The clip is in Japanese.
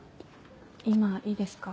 今いいですか？